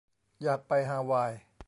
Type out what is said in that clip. อยากไปฮาวาย